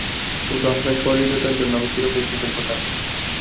কিন্তু আপনার সহৃদয়তার জন্য আমি চিরকাল কৃতজ্ঞ থাকব।